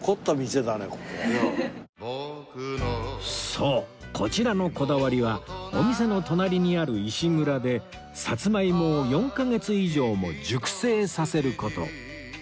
そうこちらのこだわりはお店の隣にある石蔵でさつまいもを４カ月以上も熟成させる事